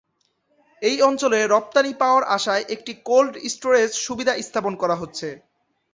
এই অঞ্চলে রপ্তানি পাওয়ার আশায় একটি কোল্ড স্টোরেজ সুবিধা স্থাপন করা হচ্ছে।